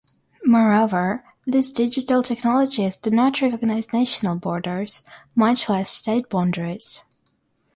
Moreover, these digital technologies do not recognize national borders, much less state boundaries.